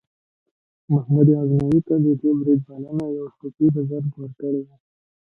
محمود غزنوي ته د دې برید بلنه یو صوفي بزرګ ورکړې وه.